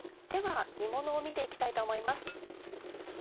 では煮ものを見て行きたいと思います。